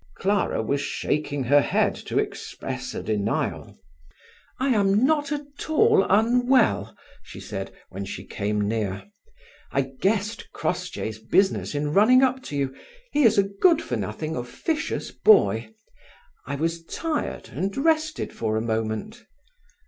Clara was shaking her head to express a denial. "I am not at all unwell," she said, when she came near. "I guessed Crossjay's business in running up to you; he's a good for nothing, officious boy. I was tired, and rested for a moment."